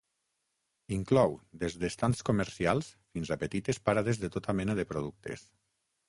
Inclou des d'estands comercials fins a petites parades de tota mena de productes.